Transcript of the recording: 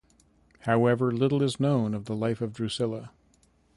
However, little is known of the life of Drusilla.